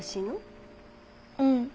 うん。